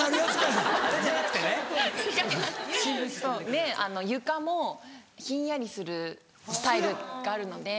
で床もひんやりするタイルがあるので。